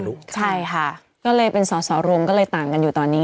ใช่ค่ะก็เลยเป็นสอสอรวมก็เลยต่างกันอยู่ตอนนี้